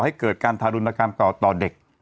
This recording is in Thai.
ให้เกิดการฑาดุรนศ์กรรมต่อเด็ก